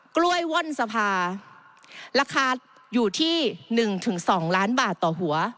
กล้วยว่อนสภาราคาอยู่ที่๑๒ล้านบาทต่อหัว